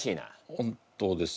本当です。